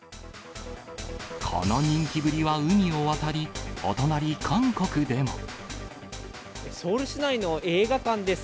この人気ぶりは海を渡り、お隣、ソウル市内の映画館です。